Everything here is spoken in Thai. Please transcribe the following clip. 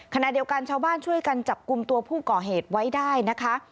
ขณะเดียวกันชาวบ้านช่วยกันจับกลุ่มตัวผู้ก่อเหตุไว้ได้นะคะ